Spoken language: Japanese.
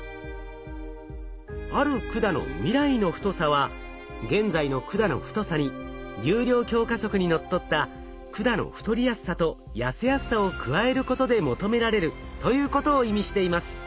ある管の未来の太さは現在の管の太さに流量強化則に則った管の太りやすさと痩せやすさを加えることで求められるということを意味しています。